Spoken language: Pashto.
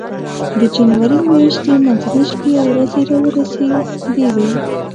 د جنوري میاشتې منځنۍ شپې او ورځې را ورسېدې وې.